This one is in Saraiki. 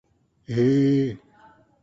ح